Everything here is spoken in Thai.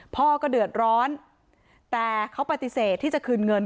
พ่อก็เดือดร้อนแต่เขาปฏิเสธที่จะคืนเงิน